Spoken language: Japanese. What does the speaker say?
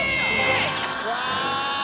うわ！